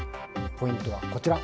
ポイントはこちら。